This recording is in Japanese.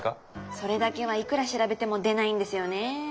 それだけはいくら調べても出ないんですよねー。